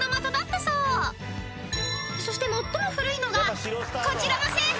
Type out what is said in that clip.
［そして最も古いのがこちらの制服］